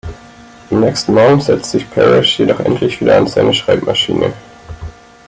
Am nächsten Morgen setzt sich Parish jedoch endlich wieder an seine Schreibmaschine.